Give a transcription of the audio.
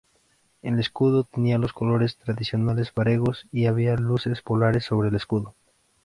El escudo tenía los colores tradicionales varegos y había luces polares sobre el escudo.